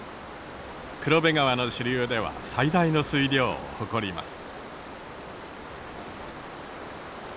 黒部川の支流では最大の水量を誇ります。